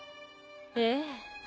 ・ええ。